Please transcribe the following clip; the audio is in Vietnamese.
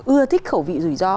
ưa thích khẩu vị rủi ro